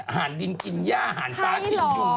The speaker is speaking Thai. อาหารดินกินย่าอาหารฟ้ากลิ่นยุงส์มากลิ่น